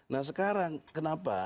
nah sekarang kenapa